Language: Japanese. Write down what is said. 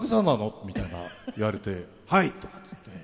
みたいな言われて「はい」とかって言って。